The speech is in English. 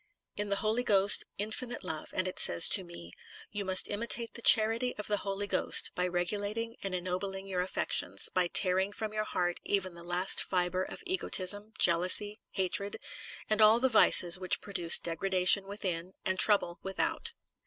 In the Holy Ghost, infinite love, and it says to me : You must imitate the charity of the Holy Ghost, by regulating and enno bling your affections, by tearing from your heart even the last fibre of egotism, jealousy, hatred, and all the vices which produce degradation within, and trouble without.